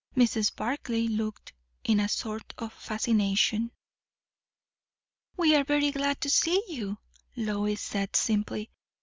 Mrs. Barclay looked, in a sort of fascination. "We are very glad to see you," Lois said simply.